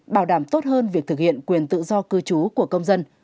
bảo đảm tốt hơn việc thực hiện quyền tự do cư trú của công dân